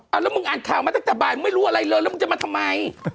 แล้วมึงอันทราบมาแต่แต่บ่ายไม่รู้อะไรแล้วแล้วมึงจะมาทำไม